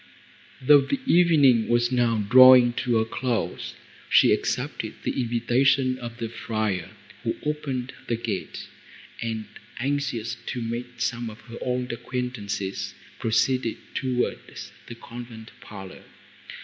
Though the evening was now drawing to a close, she accepted the invitation of the friar, who opened the gate, and, anxious to meet some of her old acquaintances, proceeded towards the convent parlour.